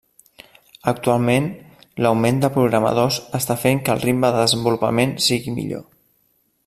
Actualment, l'augment de programadors està fent que el ritme de desenvolupament sigui millor.